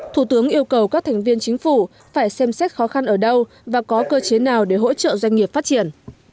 thủ tướng yêu cầu các thành viên chính phủ phải xem xét khó khăn ở đâu và có cơ chế nào để hỗ trợ doanh nghiệp phát triển